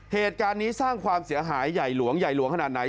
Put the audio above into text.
เหตุการณ์นี้สร้างความเสียหายใหญ่หลวงใหญ่หลวงขนาดไหน